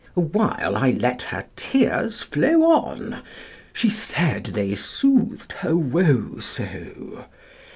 Awhile I let her tears flow on, She said they soothed her woe so!